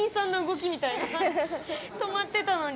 止まってたのに。